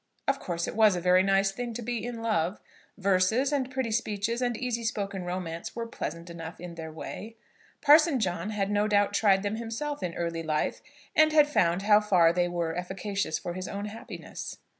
Of course it was a very nice thing to be in love. Verses and pretty speeches and easy spoken romance were pleasant enough in their way. Parson John had no doubt tried them himself in early life, and had found how far they were efficacious for his own happiness.